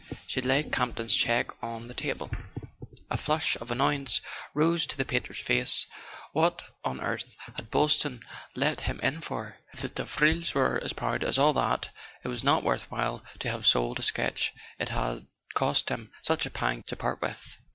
She laid Campton's cheque on the table. A flush of annoyance rose to the painter's face. What [ 168 ] A SON AT THE FRONT on earth had Boylston let him in for? If the Davrils were as proud as all that it was not worth while to have sold a sketch it had cost him such a pang to part with.